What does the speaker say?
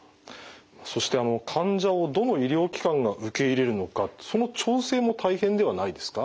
そして患者をどの医療機関が受け入れるのかその調整も大変ではないですか？